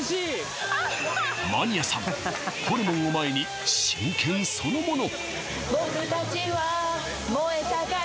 マニアさんホルモンを前に真剣そのもの